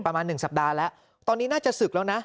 ประมาณหนึ่งสัปดาห์แล้วตอนนี้น่าจะศึกแล้วนะ